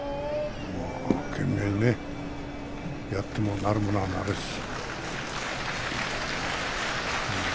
懸命にやってもねなるものはなるし。